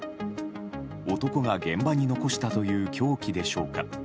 男が現場に残したという凶器でしょうか。